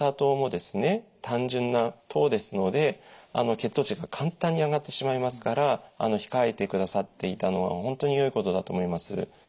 単純な糖ですので血糖値が簡単に上がってしまいますから控えてくださっていたのは本当によいことだと思います。